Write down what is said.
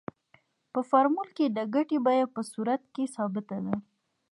په فورمول کې د ګټې بیه په صورت کې ثابته ده